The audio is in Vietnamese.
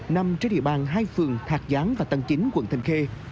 nằm trên địa bàn hai phường thạc gián và tân chính quận thanh khê